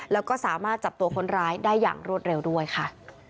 แล้วก็สามารถจับตัวคนร้ายได้อย่างรวดเร็วด้วยค่ะ